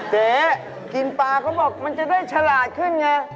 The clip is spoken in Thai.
เจ๊กินปลาเขาบอกมันจะได้ฉลาดขึ้นไง